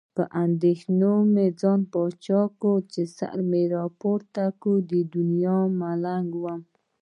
په اندېښنو مې ځان بادشاه کړ. سر مې راپورته کړ، ملنګ د دنیا ومه.